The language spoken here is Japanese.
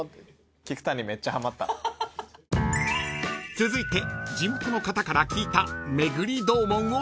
［続いて地元の方から聞いた］